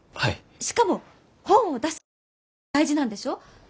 しかも本を出す速さも大事なんでしょう？